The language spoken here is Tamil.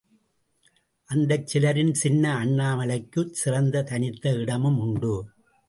அந்தச் சிலரில் சின்ன அண்ணாமலைக்கு சிறந்த தனித்த இடமுண்டு.